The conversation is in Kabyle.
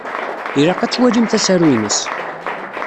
Ilaq ad twalimt asaru-ines.